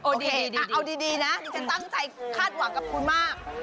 โอเคเอาดีนะนี่จะตั้งใจคาดหวังกับคุณมาก